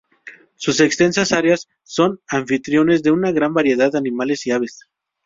Sus extensas áreas son anfitriones de una gran variedad de animales y aves.